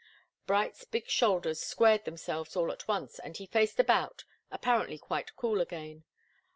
Bright's big shoulders squared themselves all at once and he faced about, apparently quite cool again.